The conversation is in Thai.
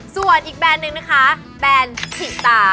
ส่วนอีกแบรนด์หนึ่งนะคะแบรนด์ถิตา